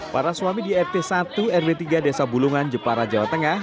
para suami di rt satu rw tiga desa bulungan jepara jawa tengah